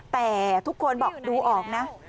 แต่ทุกคนบอกดูออกนะ